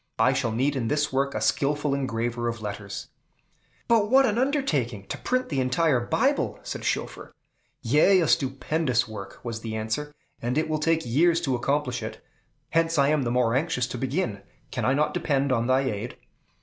I shall need in this work a skillful engraver of letters." "But what an undertaking, to print the entire Bible!" said Schoeffer. "Yea, a stupendous work!" was the answer, "and it will take years to accomplish it; hence I am the more anxious to begin. Can I not depend on thy aid?"